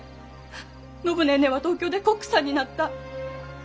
暢ネーネーは東京でコックさんになった。